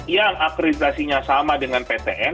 yang akreditasinya sama dengan ptn